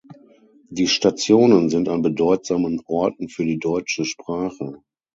Die Stationen sind an bedeutsamen Orten für die deutsche Sprache.